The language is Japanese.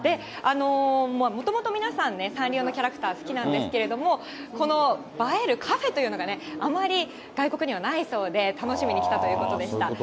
もともと皆さんね、サンリオのキャラクター好きなんですけども、この映えるカフェというのがね、あまり外国にはないそうで、楽しみに来たということでした。